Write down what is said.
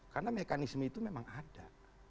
karena mekanisme itu memang ada